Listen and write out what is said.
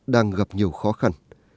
đang gặp nhiều khó khăn